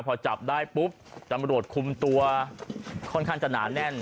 พอจับได้ปุ๊บตำรวจคุมตัวค่อนข้างจะหนาแน่น